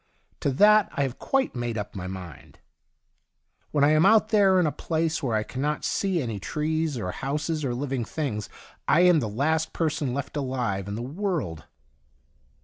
To that I have quite made up my mind. When I am out there in a place where I cannot see any trees, or houses, or living things, I am the last person left alive in the world.